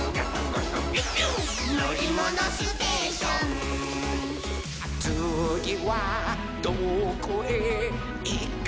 「のりものステーション」「つぎはどこへいくのかなほら」